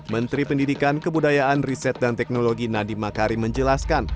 menteri pendidikan kebudayaan riset dan teknologi nadiem makari menjelaskan